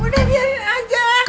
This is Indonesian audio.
udah biarin aja